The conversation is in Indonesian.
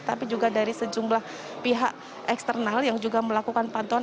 tapi juga dari sejumlah pihak eksternal yang juga melakukan pantauan